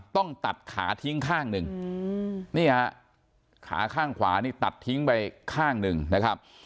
ต้องตัดขาทิ้งข้างหนึ่งนี่ฮะขาข้างขวานี่ตัดทิ้งไปข้างหนึ่งนะครับ